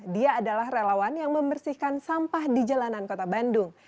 dia adalah relawan yang membersihkan sampah di jalanan kota bandung